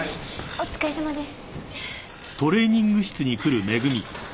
お疲れさまです。